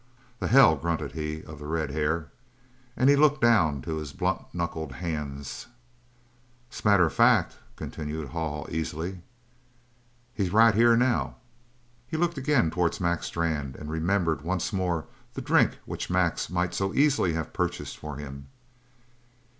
"The hell!" grunted he of the red hair. And he looked down to his blunt knuckled hands. "'S matter of fact," continued Haw Haw easily, "he's right here now!" He looked again towards Mac Strann and remembered once more the drink which Mac might so easily have purchased for him.